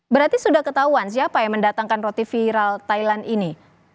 berarti sudah ketahuan siapa yang mendatangkan roti viral thailand ini